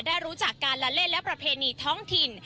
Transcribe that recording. ได้รู้จักการละเล่นและประเพณีท้องถิ่น